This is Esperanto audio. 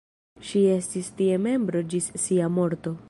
Ŝi estis tie membro ĝis sia morto.